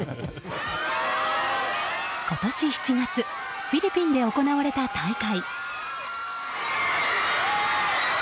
今年７月フィリピンで行われた大会。